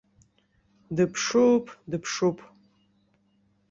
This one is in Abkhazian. Дыԥшуп, дыԥшуп!